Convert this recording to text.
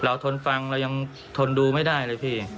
ทนฟังเรายังทนดูไม่ได้เลยพี่